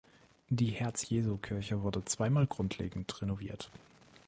Die Herz-Jesu Kirche wurde zweimal grundlegend renoviert.